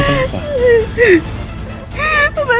kamu gak apa apa kan